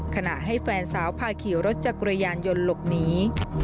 ขณะให้แฟนสาวพาขี่รถจักรยานยนต์หลบหนี